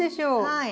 はい。